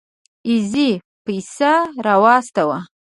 اېزي پيسه راواستوه.